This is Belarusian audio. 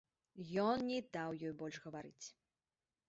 Ён не даў ёй больш гаварыць.